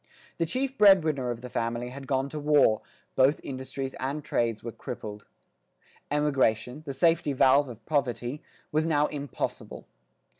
The chief bread winner of the family had gone to war; both industries and trades were crippled. Emigration, the safety valve of poverty, was now impossible.